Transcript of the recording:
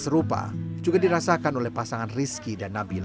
hal serupa juga dirasakan oleh pasangan rizky dan nabil